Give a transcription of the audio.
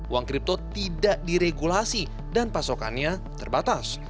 uang kripto tidak diregulasi dan pasokannya terbatas